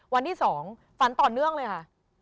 วันที่๒ฝันต่อเนื่องเลยค่ะ